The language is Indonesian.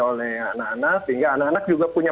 apa menangani situasi yang masih baik